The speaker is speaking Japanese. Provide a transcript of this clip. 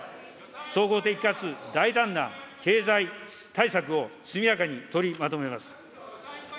総合的かつ大胆な経済対策を速やかに取りまとめます。